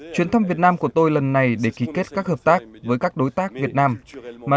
chuyến thăm việt nam của tôi lần này để ký kết các hợp tác với các đối tác việt nam mà